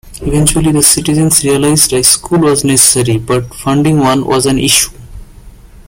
Eventually the citizens realized a school was necessary but funding one was an issue.